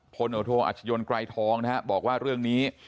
พลโอโทอัชยนไกรทองนะฮะบอกว่าเรื่องนี้